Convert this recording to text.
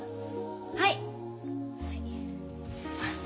はい。